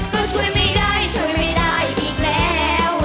ก็ช่วยไม่ได้ช่วยไม่ได้อีกแล้ว